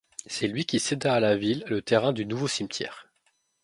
C'est lui qui céda à la ville le terrain du nouveau cimetière.